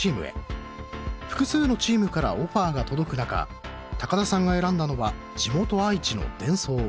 複数のチームからオファーが届く中田さんが選んだのは地元愛知のデンソー。